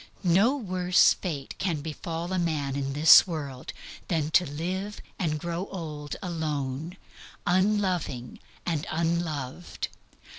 NO WORSE FATE can befall a man in this world than to live and grow old alone, unloving and unloved.